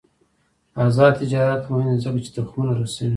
آزاد تجارت مهم دی ځکه چې تخمونه رسوي.